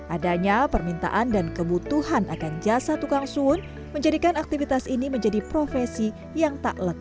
adanya permintaan dan kebutuhan agar jasa tukang sun menjadikan aktivitas ini menjadi profesi yang tak lekang oleh waktu